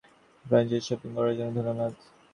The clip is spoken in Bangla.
ফ্রাইস-এ শপিং করার জন্য ধন্যবাদ।